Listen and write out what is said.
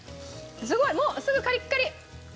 すごいもうすぐカリッカリ！